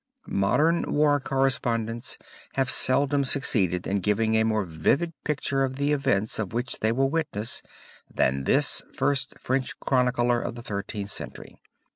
Modern war correspondents have seldom succeeded in giving a more vivid picture of the events of which they were witnesses than this first French chronicler of the Thirteenth Century.